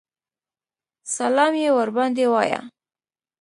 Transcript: سلام یې ورباندې وایه.